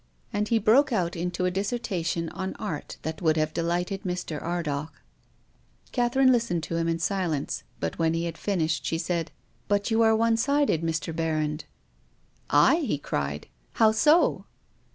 And he broke out into a dissertation on art that would have delighted Mr. Ardagh. Catherine listened to him in silence, but when he had finished she said, " But you are one sided, Mr. Berrand." "I!" he cried. "How so?"